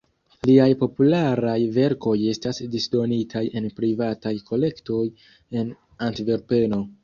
Liaj popularaj verkoj estas disdonitaj en privataj kolektoj en Antverpeno.